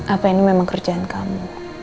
apa ini memang kerjaan kamu